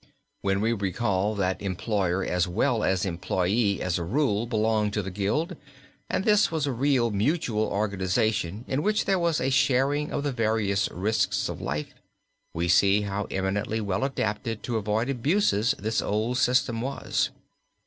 When we recall that employer as well as employee as a rule belonged to the gild and this was a real mutual organization in which there was a sharing of the various risks of life, we see how eminently well adapted to avoid abuses this old system was.